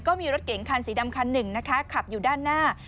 ก็มีรถเก๋งคันสีดำคันหนึ่งนะคะขับอยู่ด้านหน้า